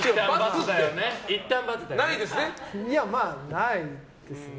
ないですね？